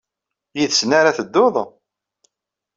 Yid-sen ara ad tedduḍ?